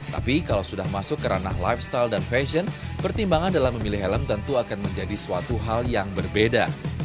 tapi kalau sudah masuk ke ranah lifestyle dan fashion pertimbangan dalam memilih helm tentu akan menjadi suatu hal yang berbeda